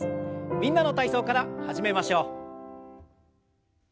「みんなの体操」から始めましょう。